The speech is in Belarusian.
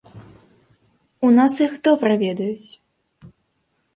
У нас іх добра ведаюць.